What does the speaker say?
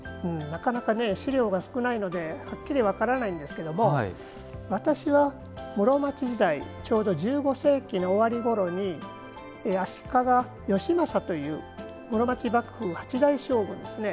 なかなか資料が少ないのではっきり分からないんですけど私は室町時代ちょうど１５世紀の終わりごろに足利義政という室町幕府８代将軍ですね